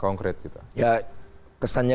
konkret gitu ya kesannya